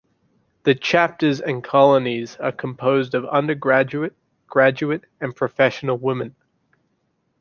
The chapters and colonies are composed of undergraduate, graduate, and professional women.